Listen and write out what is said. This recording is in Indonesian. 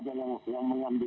dari anak muda namanya radin